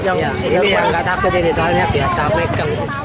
iya yang gak takut ini soalnya biasa pekel